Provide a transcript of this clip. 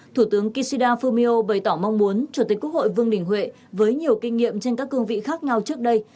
thủ tướng kishida fumio bày tỏ mong muốn chủ tịch quốc hội vương đình huệ với nhiều kinh nghiệm trên các cương vị khác nhau trước đây